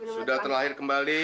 sudah terlahir kembali